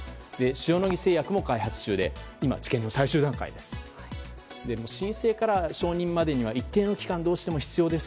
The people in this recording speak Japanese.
塩野義製薬も開発中で今、治験の最終段階です。